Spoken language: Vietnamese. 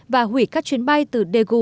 và hủy các chuyến bay từ điều nguyên